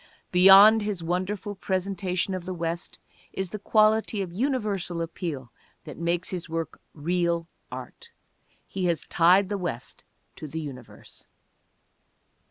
Beyond his wonderful presentation of the West is the quality of universal appeal that makes his work real art. He has tied the West to the universe.